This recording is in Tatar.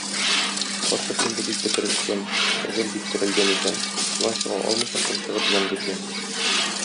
Карчык инде бик бетерешкән, әҗәл бик терәлгән икән, шуннан чыга алмыйча тончыгып җан биргән.